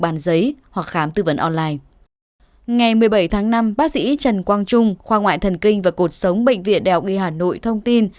ngày một mươi bảy tháng năm bác sĩ trần quang trung khoa ngoại thần kinh và cuộc sống bệnh viện đèo nghi hà nội thông tin